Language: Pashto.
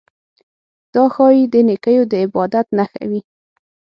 دا ښايي د نیکونو د عبادت نښه وي.